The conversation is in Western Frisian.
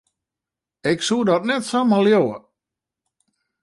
Ik soe dat net samar leauwe.